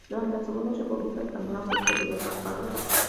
Durante la Segunda República Española ocupó diversos cargos.